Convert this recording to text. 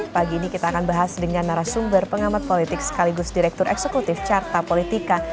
pagi ini kita akan bahas dengan narasumber pengamat politik sekaligus direktur eksekutif carta politika